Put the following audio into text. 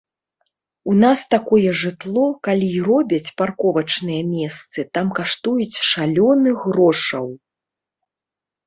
У нас такое жытло, калі і робяць, парковачныя месцы там каштуюць шалёных грошаў.